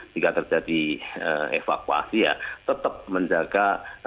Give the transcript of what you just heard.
jika terjadi evakuasi ya tetap menjaga